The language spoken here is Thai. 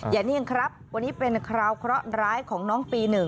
นิ่งครับวันนี้เป็นคราวเคราะห์ร้ายของน้องปี๑